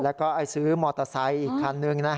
แล้วก็ซื้อมอเตอร์ไซค์อีกครั้งหนึ่ง